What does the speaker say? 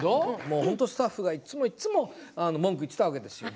本当スタッフがいっつもいっつも文句を言ってたわけですよ。